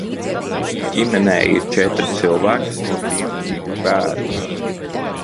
Ģimenē ir četri cilvēki, no tiem divi bērni.